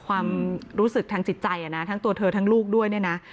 ความรู้สึกทางจิตใจนะทั้งตัวเธอทั้งลูกด้วยเนี่ยนะ